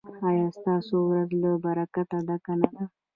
ایا ستاسو ورځ له برکته ډکه نه ده؟